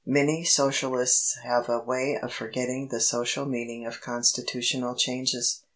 Many Socialists have a way of forgetting the social meaning of constitutional changes.